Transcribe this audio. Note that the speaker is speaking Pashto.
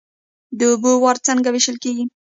د اوبو وار څنګه ویشل کیږي؟